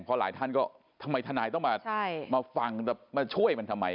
พอหลายท่านก็ทำไมทนายต้องมาฟังมาช่วยมันทำไม